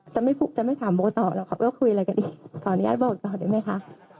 จะไม่ถามโบต่อหรอกครับก็คุยอะไรกันดีขออนุญาตบอกต่อได้ไหมคะ